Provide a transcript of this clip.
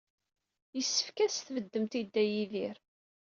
Yessefk ad as-tbeddemt i Dda Yidir.